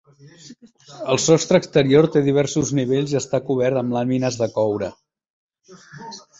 El sostre exterior té diversos nivells i està cobert amb làmines de coure.